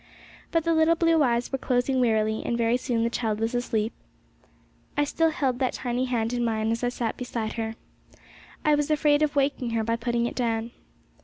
But the little blue eyes were closing wearily, and very soon the child was asleep. I still held that tiny hand in mine as I sat beside her; I was afraid of waking her by putting it down.